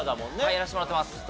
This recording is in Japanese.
やらせてもらってます。